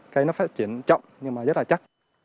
cây nó phát triển chậm nhưng mà rất là chắc